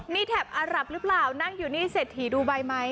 นี่แถบอารับหรือเปล่านั่งอยู่นี่เศรษฐีดูใบไหม